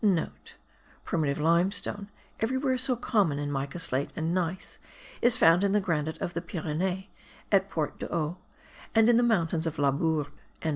*(* Primitive limestone, everywhere so common in mica slate and gneiss, is found in the granite of the Pyrenees, at Port d'Oo, and in the mountains of Labourd.)